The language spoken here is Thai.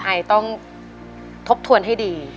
ไอต้องทบทวนให้ดี